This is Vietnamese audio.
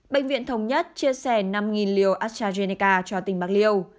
bệnh viện thống nhất chia sẻ năm liều astrazeneca cho tỉnh bạc liêu